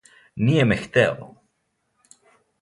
Није ме хтео.